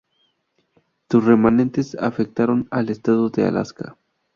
Sus remanentes afectaron al estado de Alaska.